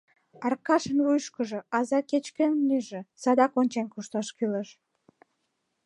Аркашын вуйышкыжо: «Аза кеч-кӧн лийже — садак ончен кушташ кӱлеш.